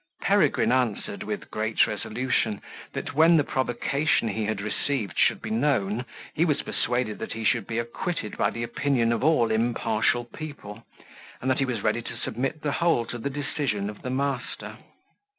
Peregrine answered, with great resolution, that when the provocation he had received should be known, he was persuaded that he should be acquitted by the opinion of all impartial people; and that he was ready to submit the whole to the decision of the master.